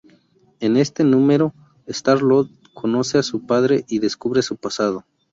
En este número, Star-Lord conoce a su padre y descubre su pasado.